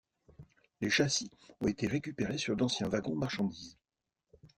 Les châssis ont été récupérés sur d'anciens wagons marchandises.